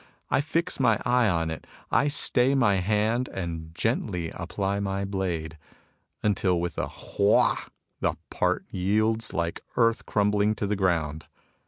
I fix my eye on it. I stay my kand, and gently apply my blade, until with a htjoah the part yields like earth crumbling to the ground.